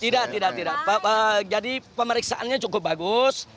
tidak tidak jadi pemeriksaannya cukup bagus